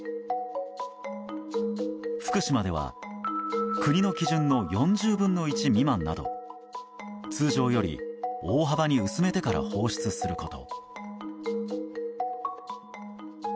福島では国の基準の４０分の１未満など通常より大幅に薄めてから放出すること。